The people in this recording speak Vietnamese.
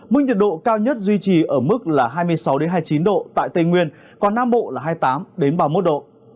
mức nhiệt độ cao nhất duy trì ở mức là hai mươi sáu hai mươi chín độ tại tây nguyên còn nam bộ là hai mươi tám ba mươi một độ